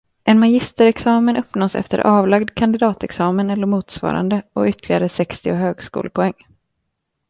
En magisterexamen uppnås efter avlagd kandidatexamen, eller motsvarande, och ytterligare sextio högskolepoäng.